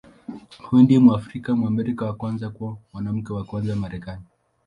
Huyu ndiye Mwafrika-Mwamerika wa kwanza kuwa Mwanamke wa Kwanza wa Marekani.